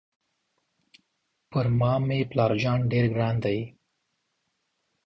پر ما مې پلار جان ډېر ګران دی.